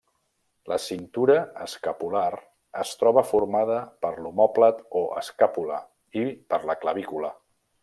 La cintura escapular es troba formada per l'omòplat o escàpula, i per la clavícula.